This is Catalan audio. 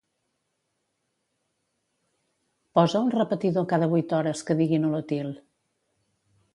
Posa un repetidor cada vuit hores que digui Nolotil.